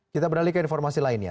kita beralih ke informasi lainnya